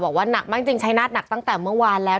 บอกว่าหนักมากจริงชายนาฏหนักตั้งแต่เมื่อวานแล้ว